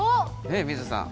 水田さん